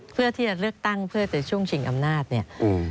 เพื่อที่จะเลือกตั้งเพื่อจะช่วงชิงอำนาจเนี่ย